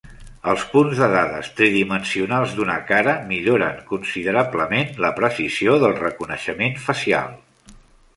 Els punts de dades tridimensionals d'una cara milloren considerablement la precisió del reconeixement facial.